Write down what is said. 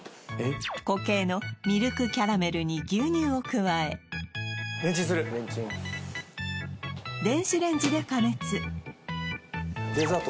固形のミルクキャラメルに牛乳を加え電子レンジで加熱デザート